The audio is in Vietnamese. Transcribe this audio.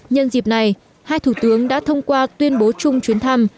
nhân dịp này hai thủ tướng đã thông qua tuyên bố chung chuyến thăm